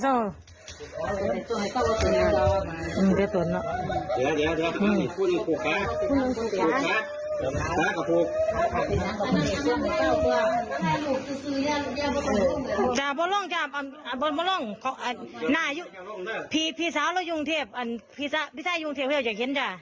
อ่ะพี่สาวแล้วยุงเทพมันพี่สาวเรายุงเทพอ่ะ